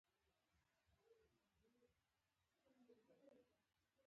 خو دى ولاړ او هر څه ځنې پاته سول.